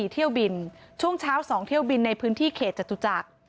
เที่ยวบินช่วงเช้า๒เที่ยวบินในพื้นที่เขตจตุจักร